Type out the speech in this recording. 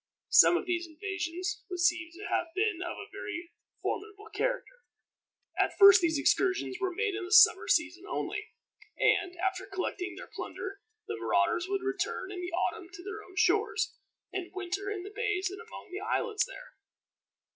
Some of these invasions would seem to have been of a very formidable character. At first these excursions were made in the summer season only, and, after collecting their plunder, the marauders would return in the autumn to their own shores, and winter in the bays and among the islands there.